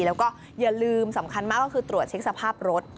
แล้วก็อย่าลืมสำคัญมากก็คือตรวจเช็คสภาพรถ